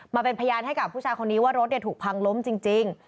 มาเป็นพยานให้กับผู้ชายคนนี้ว่ารถถูกพังล้มจริง